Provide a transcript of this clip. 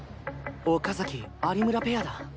岡崎有村ペアだ。